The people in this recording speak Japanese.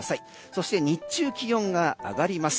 そして日中、気温が上がります。